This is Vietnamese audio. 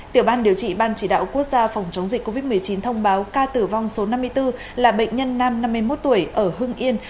tiểu ban điều trị ban chỉ đạo quốc gia phòng chống dịch covid một mươi chín thông báo ca tử vong số năm mươi bốn là bệnh nhân nam năm mươi một tuổi ở hưng yên